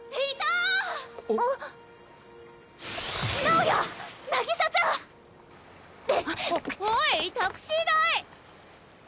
おおいタクシー代！